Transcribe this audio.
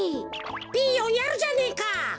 ピーヨンやるじゃねえか。